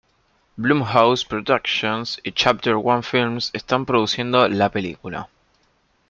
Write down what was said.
Blumhouse Productions y Chapter One Films están produciendo la película.